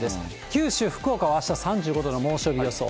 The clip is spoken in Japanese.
九州、福岡はあした３５度の猛暑日予想。